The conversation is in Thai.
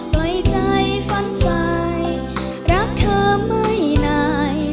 ปล่อยใจฝันควายรักเธอไม่นาย